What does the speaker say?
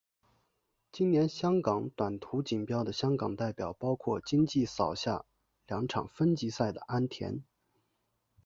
今年香港短途锦标的香港代表包括今季扫下两场分级赛的安畋。